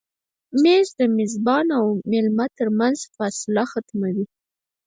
مېز د میزبان او مېلمه تر منځ فاصله ختموي.